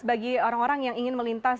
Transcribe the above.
bagi orang orang yang ingin melintas